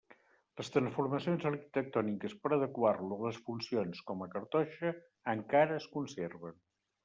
Les transformacions arquitectòniques per adequar-lo a les funcions com a cartoixa encara es conserven.